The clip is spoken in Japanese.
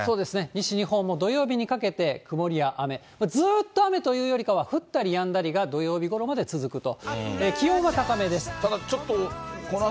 西日本も、土曜日にかけて、曇りや雨、ずっと雨というよりかは、降ったりやんだりが土曜日ごろまで続くと。